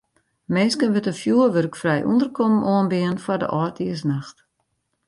Minsken wurdt in fjoerwurkfrij ûnderkommen oanbean foar de âldjiersnacht.